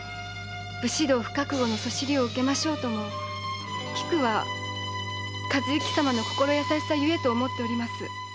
“武士道不覚悟”の謗りを受けましょうと菊は和之様の心優しさゆえと思っております。